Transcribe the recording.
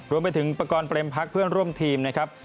รวมไปถึงประกอบเปรมพักเพื่อนร่วมทีมนะครับ